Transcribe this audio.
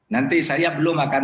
nanti saya belum akan